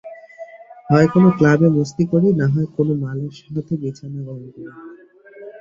হয় কোনো ক্লাবে মস্তি করি, নাহয় কোনো মালের সাথে বিছানা গরম করি।